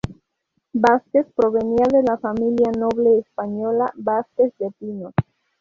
Vásquez provenía de la familia noble española "Vásquez de Pinos".